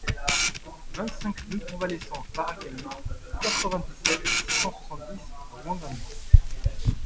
vingt-cinq rUE CONVALESCENCE BARAKANI, quatre-vingt-dix-sept, six cent soixante-dix à Ouangani